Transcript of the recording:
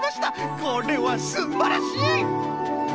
これはすんばらしい！